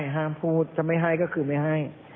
ห้ามพูดถ้าไม่ให้ก็คือไม่ให้